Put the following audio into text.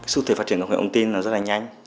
sự thể phát triển công nghệ ống tin rất là nhanh